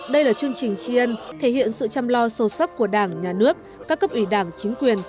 đây là chương trình tri ân thể hiện sự chăm lo sâu sắc của đảng nhà nước các cấp ủy đảng chính quyền